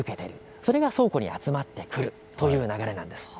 それが倉庫に集まってくるとような流れなんです。